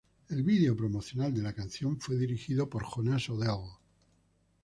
El vídeo promocional de la canción fue dirigido por Jonas Odell.